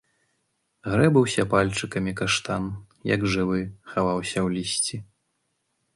Грэбаўся пальчыкамі, каштан, як жывы, хаваўся ў лісці.